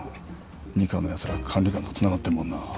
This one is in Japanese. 二課のやつら管理官とつながってるもんな。